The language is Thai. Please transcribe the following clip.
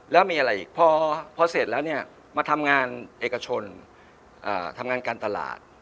แล้วมีอะไรอีกพอเสร็จแล้วเนี่ยมาทำงานเอกชนทำงานการตลาด